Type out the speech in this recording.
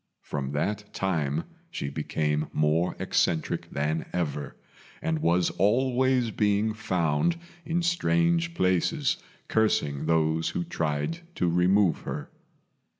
From that time she became more eccentric than ever, and was always being found in strange places, cursing those who tried to remove her.